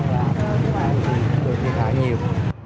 đã được thiệt hại nhiều